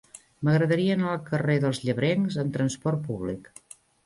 M'agradaria anar al carrer dels Llebrencs amb trasport públic.